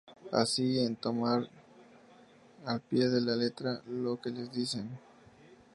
Así como en tomar al pie de la letra lo que les dicen.